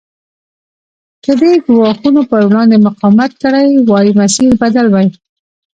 که دې ګواښونو پر وړاندې مقاومت کړی وای مسیر بدل وای.